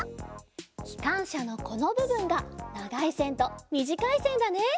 きかんしゃのこのぶぶんがながいせんとみじかいせんだね。